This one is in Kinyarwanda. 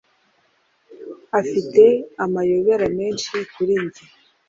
Afite amayobera menshi kuri njye